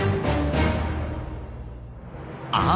あ！